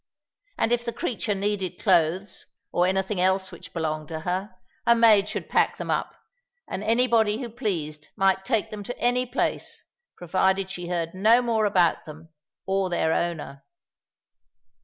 And if the creature needed clothes or anything else which belonged to her, a maid should pack them up, and anybody who pleased might take them to any place, provided she heard no more about them or their owner.